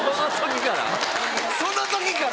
その時から？